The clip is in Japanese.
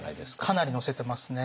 かなり載せてますね。